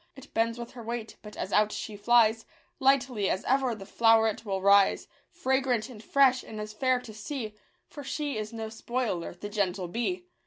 It bends with her weight, but, as out she flies, Lightly as ever the flow'ret will rise. Fragrant and fresh, and as fair to see ; For she is no spoiler, the gentle bee